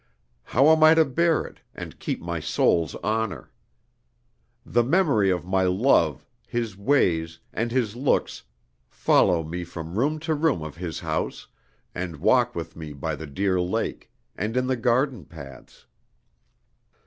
How am I to bear it, and keep my soul's honor? The memory of my love, his ways, and his looks follow me from room to room of his house, and walk with me by the dear lake, and in the garden paths.